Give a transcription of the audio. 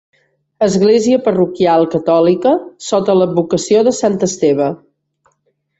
Església parroquial catòlica sota l'advocació de Sant Esteve.